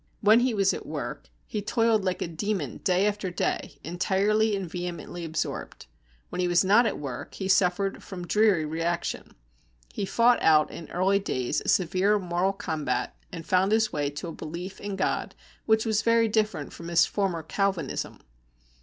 When he was at work, he toiled like a demon day after day, entirely and vehemently absorbed. When he was not at work he suffered from dreary reaction. He fought out in early days a severe moral combat, and found his way to a belief in God which was very different from his former Calvinism.